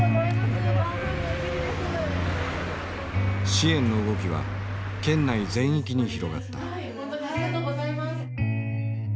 支援の動きは県内全域に広がった。